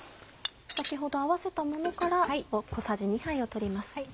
先ほど合わせたものから小さじ２杯を取ります。